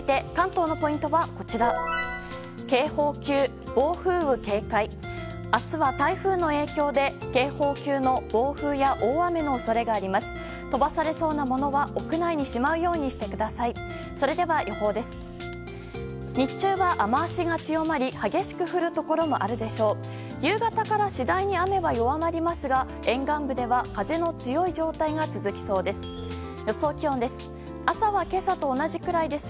夕方から次第に雨は弱まりますが沿岸部では風の強い状態が続きそうです。